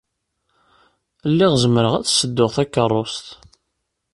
Lliɣ zemreɣ ad sedduɣ takerrust.